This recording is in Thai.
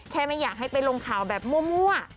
ไม่อยากให้ไปลงข่าวแบบมั่ว